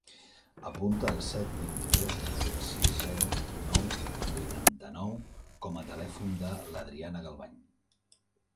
Apunta el set, vint-i-dos, quaranta-sis, zero, nou, vuitanta-nou com a telèfon de l'Adriana Galvañ.